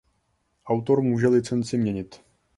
Autor může licenci měnit.